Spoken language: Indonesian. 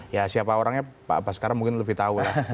ya siapa orangnya pak baskara mungkin lebih tahu